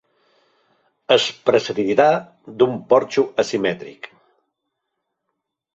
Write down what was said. És precedida d'un porxo asimètric.